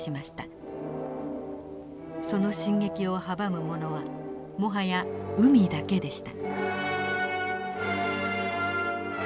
その進撃を阻むものはもはや海だけでした。